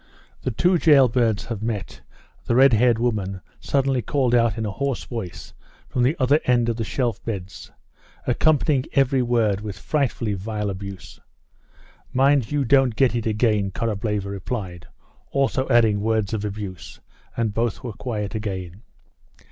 "The two jailbirds have met," the red haired woman suddenly called out in a hoarse voice from the other end of the shelf beds, accompanying every word with frightfully vile abuse. "Mind you don't get it again," Korableva replied, also adding words of abuse, and both were quiet again.